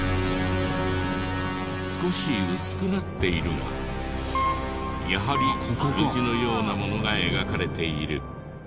少し薄くなっているがやはり数字のようなものが描かれている。